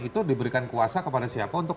itu diberikan kuasa kepada siapa untuk